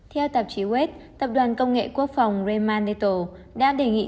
theo tạp chí west tập đoàn công nghệ quốc phòng ramadaital đã đề nghị